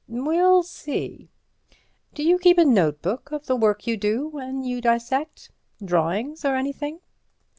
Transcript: "We'll see. Do you keep a notebook of the work you do when you dissect? Drawings or anything?"